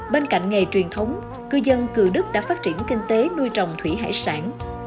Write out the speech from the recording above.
bên cạnh nghề truyền thống cư dân cừu đức đã phát triển kinh tế nuôi trồng thủy hải sản